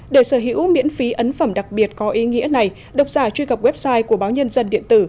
để sở hữu miễn phí ấn phẩm đặc biệt có ý nghĩa này độc giả truy cập website của báo nhân dân điện tử